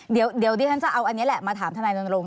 เดี๋ยวดิฉันจะเอาอันนี้แหละมาถามทนายรณรงค